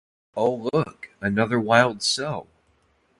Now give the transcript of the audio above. Oh look, another wild sow!